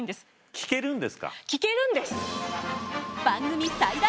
聞けるんです！